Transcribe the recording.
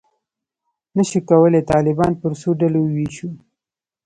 نه شو کولای طالبان پر څو ډلو وویشو.